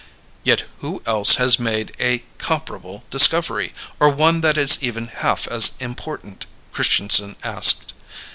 "Yet who else has made a comparable discovery? Or one that is even half as important?" Christianson asked.